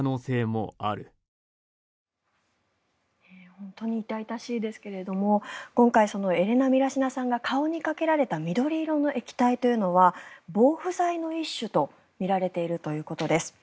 本当に痛々しいですけれども今回、エレナ・ミラシナさんが顔にかけられた緑色の液体というのは防腐剤の一種とみられているということです。